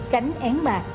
cánh én bạc